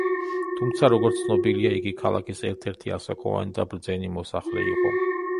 თუმცა, როგორც ცნობილია, იგი ქალაქის ერთ-ერთი ასაკოვანი და ბრძენი მოსახლე იყო.